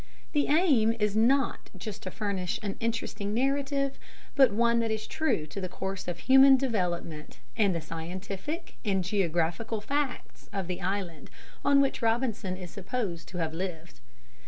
The aim is not just to furnish an interesting narrative, but one that is true to the course of human development and the scientific and geographical facts of the island on which Robinson is supposed to have lived.